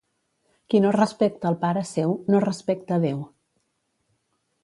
Qui no respecta el pare seu, no respecta Déu.